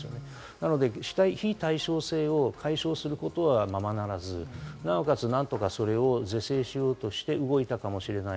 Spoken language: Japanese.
なので非対称性を解消することはままならず、なおかつなんとかそれを是正しようとして動いたかもしれない。